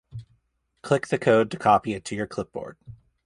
Click the code to copy it to your clipboard